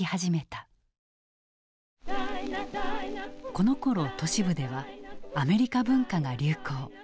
このころ都市部ではアメリカ文化が流行。